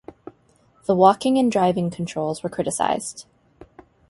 The walking and driving controls were criticized.